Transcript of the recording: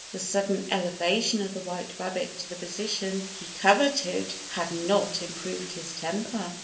The sudden elevation of the white rabbit to the position he coveted had not improved his temper.